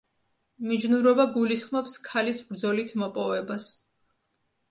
მიჯნურობა გულისხმობს ქალის ბრძოლით მოპოვებას.